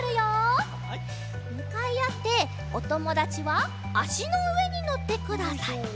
むかいあっておともだちはあしのうえにのってください。